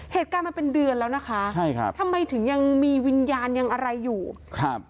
เหตุการณ์มันเป็นเดือนแล้วนะคะใช่ครับทำไมถึงยังมีวิญญาณยังอะไรอยู่ครับ